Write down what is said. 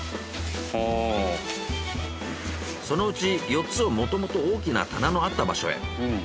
そのうち４つをもともと大きな棚のあった場所へ。